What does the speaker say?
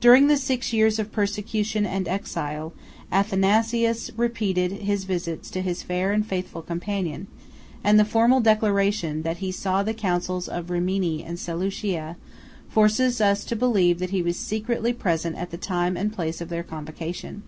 142 During the six years of persecution and exile, Athanasius repeated his visits to his fair and faithful companion; and the formal declaration, that he saw the councils of Rimini and Seleucia, 143 forces us to believe that he was secretly present at the time and place of their convocation.